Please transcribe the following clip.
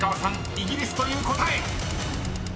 イギリスという答え］